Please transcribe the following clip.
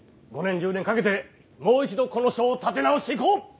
５年１０年かけてもう一度この署を立て直して行こう！